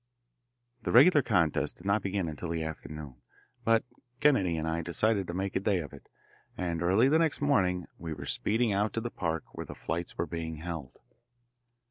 The regular contests did not begin until the afternoon, but Kennedy and I decided to make a day of it, and early the next morning we were speeding out to the park where the flights were being held.